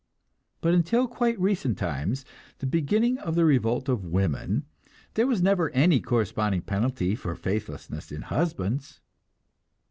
But until quite recent times, the beginning of the revolt of women, there was never any corresponding penalty for faithlessness in husbands.